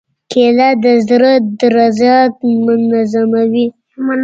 کېله د زړه درزا منظموي.